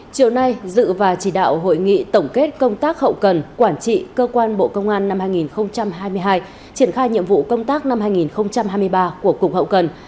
chiều nay dự và chỉ đạo hội nghị tổng kết công tác hậu cần quản trị cơ quan bộ công an năm hai nghìn hai mươi hai triển khai nhiệm vụ công tác năm hai nghìn hai mươi ba của cục hậu cần